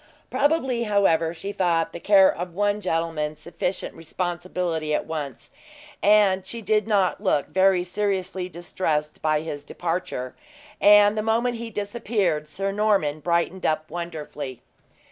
Probably, however, she thought the care of one gentleman sufficient responsibility at once; and she did not look very seriously distressed by his departure; and, the moment he disappeared, Sir Norman brightened up wonderfully.